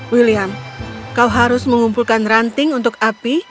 william kau harus mengumpulkan ranting untuk api